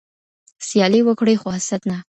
سیالي وکړئ خو حسد نه.